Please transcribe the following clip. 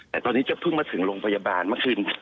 แต่ตอนนี้ก็เพิ่งมาถึงโรงพยาบาลเมื่อคืน